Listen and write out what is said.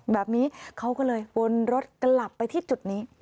แบบนี้เขาก็เลยวนรถกลับไปที่จุดนี้